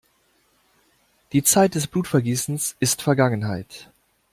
Die Zeit des Blutvergießens ist Vergangenheit!